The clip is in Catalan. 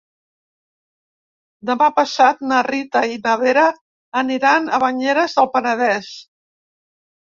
Demà passat na Rita i na Vera aniran a Banyeres del Penedès.